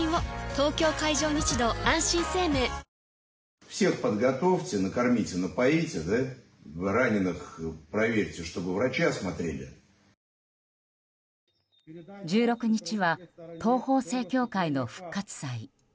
東京海上日動あんしん生命１６日は東方正教会の復活祭。